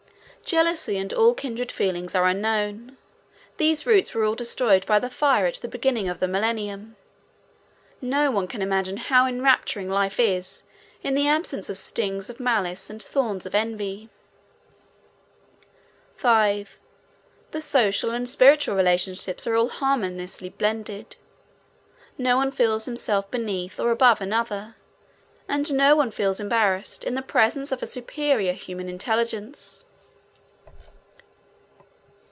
Jealousy and all kindred feelings are unknown. These roots were all destroyed by the fire at the beginning of the Millennium. No one can imagine how enrapturing life is in the absence of stings of malice and thorns of envy. 5. The social and spiritual relationships are all harmoniously blended. No one feels himself beneath or above another, and no one feels embarrassed in the presence of a superior human intelligence.